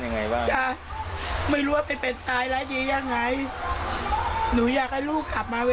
ยังไงบ้างไม่รู้ว่าเป็นเป็นตายแล้วดียังไงหนูอยากให้ลูกกลับมา